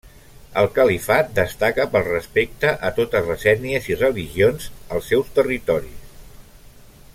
El califat destaca pel respecte a totes les ètnies i religions als seus territoris.